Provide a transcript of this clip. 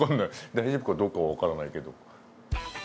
大丈夫かどうかはわからないけど。